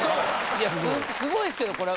いや凄いっすけどこれ。